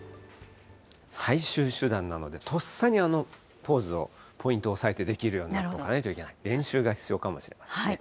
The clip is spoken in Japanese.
最終手段なので、とっさにあのポーズを、ポイントを押さえてできるようになっとかなきゃいけない、練習が必要かもしれないですね。